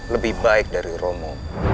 lebih baik dari romo